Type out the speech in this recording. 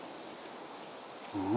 うん？